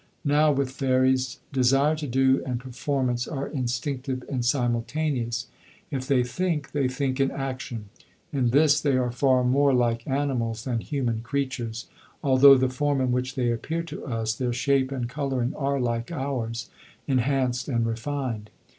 Now, with fairies, desire to do and performance are instinctive and simultaneous. If they think, they think in action. In this they are far more like animals than human creatures, although the form in which they appear to us, their shape and colouring are like ours, enhanced and refined.